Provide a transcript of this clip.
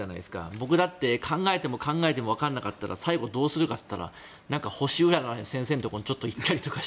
僕だって考えても考えても分からなかったら最後どうするかといったら星占いの先生のところに行ったりとか。